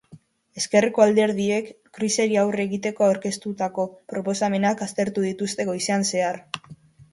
Ezkerreko alderdiek, krisiari aurre egiteko aurkeztutako proposamenak aztertu dituzte goizean zehar.